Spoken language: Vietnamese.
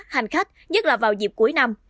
hành khách nhất là vào dịp cuối năm